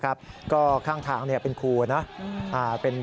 พระบุว่าจะมารับคนให้เดินทางเข้าไปในวัดพระธรรมกาลนะคะ